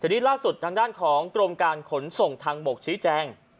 ทีนี้ล่าสุดทางด้านของกรมการขนส่งทางบกชี้แจง